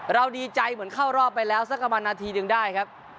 ดีใจเหมือนเข้ารอบไปแล้วสักประมาณนาทีหนึ่งได้ครับ